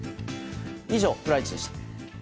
以上、プライチでした。